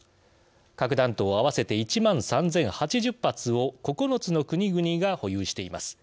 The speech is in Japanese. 核弾頭合わせて１万３，０８０発を９つの国々が保有しています。